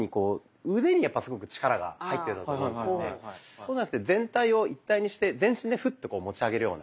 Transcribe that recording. そうじゃなくて全体を一体にして全身でフッと持ち上げるような。